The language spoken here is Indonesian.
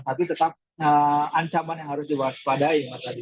tapi tetap ancaman yang harus diwaspadai